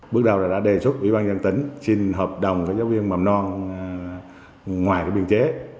bước đầu là đã đề xuất ủy ban nhân tỉnh xin hợp đồng với giáo viên mầm non ngoài biên chế